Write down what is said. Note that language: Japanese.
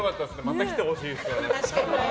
また来てほしいですね。